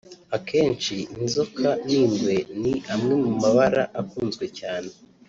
akenshi inzoka n’ingwe ni amwe mu mabara akunzwe cyane